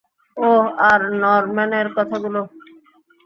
ওহ, আর নরম্যানের কথাগুলো?